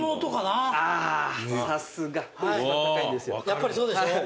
やっぱりそうでしょ？